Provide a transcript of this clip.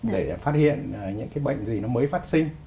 để phát hiện những cái bệnh gì nó mới phát sinh